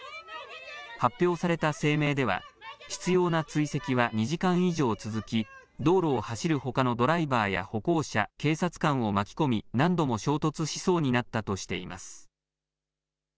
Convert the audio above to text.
発表された声明では執ような追跡は２時間以上続き道路を走るほかのドライバーや歩行者、警察官を巻き込み何度も衝突しそうになったとしています。